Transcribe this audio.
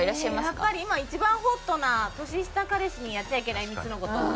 やっぱり今一番ホットな「年下彼氏にやっちゃいけない３つのこと」。